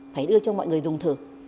phải đưa cho mọi người dùng thử